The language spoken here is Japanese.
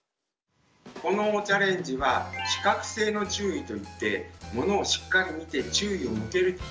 このチャレンジは視覚性の注意といってものをしっかり見て注意を向けるという機能を見ます。